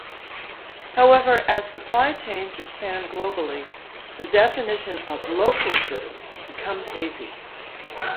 However, as supply chains expand globally, the definition of local goods becomes hazy.